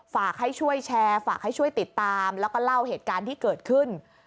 ฝากให้ช่วยแชร์ฝากให้ช่วยติดตามแล้วก็เล่าเหตุการณ์ที่เกิดขึ้น